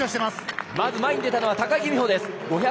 まず、前に出たのは高木美帆です。